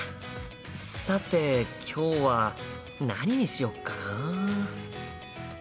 さて今日は何にしよっかな？